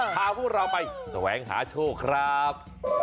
พาพวกเราไปแสวงหาโชคครับ